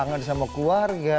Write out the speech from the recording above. kangen sama keluarga